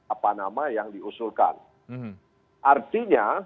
apa nama yang diusulkan